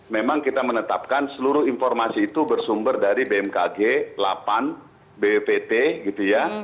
memang kita menetapkan seluruh informasi itu bersumber dari bmkg lapan bppt gitu ya